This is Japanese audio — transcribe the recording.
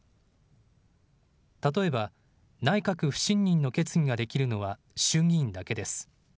例えば、内閣不信任の決議ができるのは衆議院だけです。